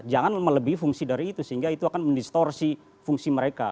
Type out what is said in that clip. jangan melebihi fungsi dari itu sehingga itu akan mendistorsi fungsi mereka